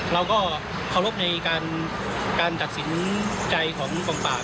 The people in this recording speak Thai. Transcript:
เราก็เคารพในการตัดสินใจของกองปราบ